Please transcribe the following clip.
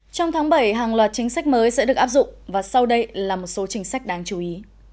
trong tháng bảy hàng loạt chính sách mới sẽ được áp dụng và sau đây là một số chính sách đáng chú ý